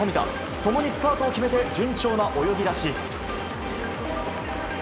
共にスタートを決めて、順調な泳ぎ出し。